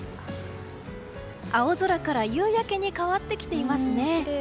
青空から夕焼けに変わってきていますね。